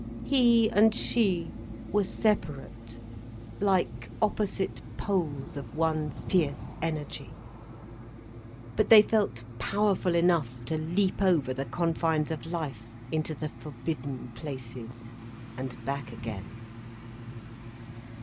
He and she were separate, like opposite poles of one fierce energy. But they felt powerful enough to leap over the confines of life into the forbidden places, and back again.